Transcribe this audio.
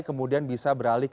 kemudian bisa beralih ke